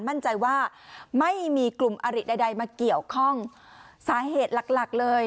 มั่นใจว่าไม่มีกลุ่มอริใดใดมาเกี่ยวข้องสาเหตุหลักหลักเลย